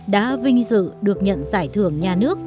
đã vinh dự được nhận giải thưởng nhà nước